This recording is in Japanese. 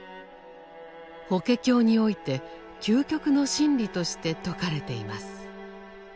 「法華経」において究極の真理として説かれています。